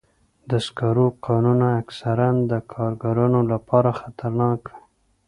د سکرو کانونه اکثراً د کارګرانو لپاره خطرناک وي.